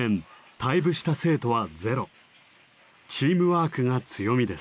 チームワークが強みです。